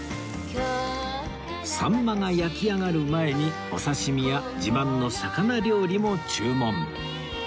さんまが焼き上がる前にお刺し身や自慢の魚料理も注文